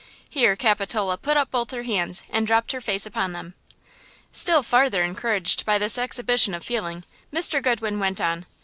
Here Capitola put up both her hands and dropped her face upon them. Still farther encouraged by this exhibition of feeling, Mr. Goodwin went on.